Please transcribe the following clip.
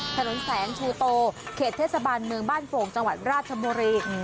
ถนนแสงชูโตเขตเทศบาลเมืองบ้านโป่งจังหวัดราชบุรี